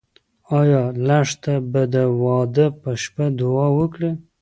ایا لښته به د واده په شپه دعا وکړي؟